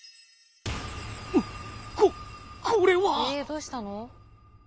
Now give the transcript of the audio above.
んっここれは！えどうしたの？